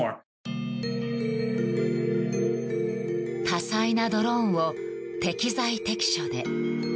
多彩なドローンを適材適所で。